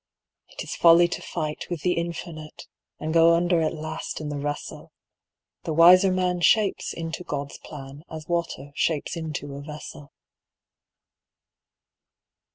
It is folly to fight with the Infinite, And go under at last in the wrestle; The wiser man shapes into God's plan As water shapes into a vessel.